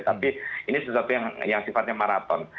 tapi ini sesuatu yang sifatnya maraton